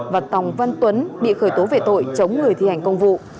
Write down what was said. và tòng văn tuấn bị khởi tố về tội chống người thi hành công vụ